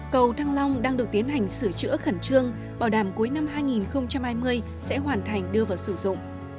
cầu thăng long đang được tiến hành sửa chữa khẩn trương bảo đảm cuối năm hai nghìn hai mươi sẽ hoàn thành đưa vào sử dụng